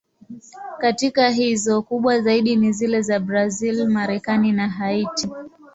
Katika hizo, kubwa zaidi ni zile za Brazil, Marekani na Haiti.